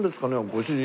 ご主人